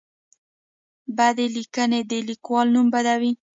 بدې لیکنې د لیکوال نوم بدوي.